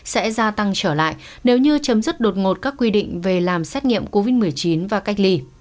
sẽ gia tăng trở lại nếu như chấm dứt đột ngột các quy định về làm xét nghiệm covid một mươi chín và cách ly